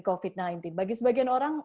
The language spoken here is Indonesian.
covid sembilan belas bagi sebagian orang